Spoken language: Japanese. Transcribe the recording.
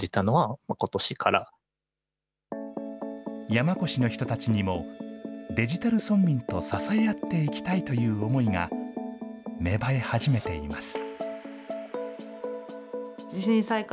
山古志の人たちにも、デジタル村民と支え合っていきたいという思いが芽生え始めています。